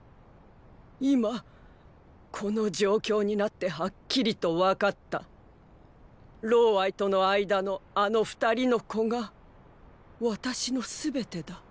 今この状況になってはっきりと分かった。との間のあの二人の子が私の全てだ。